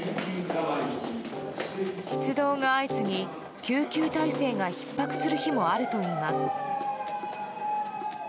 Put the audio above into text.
出動が相次ぎ、救急体制がひっ迫する日もあるといいます。